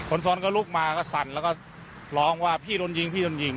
ซ้อนก็ลุกมาก็สั่นแล้วก็ร้องว่าพี่โดนยิงพี่โดนยิง